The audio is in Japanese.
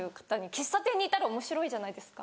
喫茶店にいたらおもしろいじゃないですか。